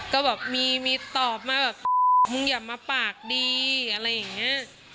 ก็แบบมีตอบมาแบบมึงอย่ามาปากดีอะไรอย่างนี้